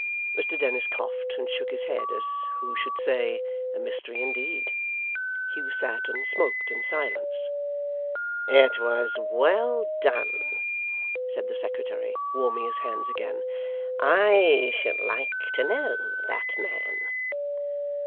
Mr Dennis coughed and shook his head, as who should say, 'A mystery indeed!' Hugh sat and smoked in silence. 'It was well done!' said the secretary, warming his hands again. 'I should like to know that man.